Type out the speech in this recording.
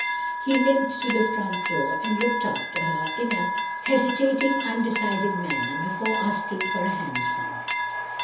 He limped to the front door, and looked after her, in a hesitating, undecided manner, before asking for a hansom.